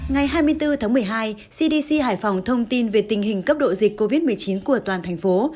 ngày hai mươi bốn tháng một mươi hai cdc hải phòng thông tin về tình hình cấp độ dịch covid một mươi chín của toàn thành phố